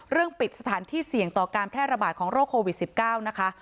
เรื่องปิดสถานที่เสี่ยงต่อการแพร่ระบาดของโรคโควิดสิบเก้านะคะ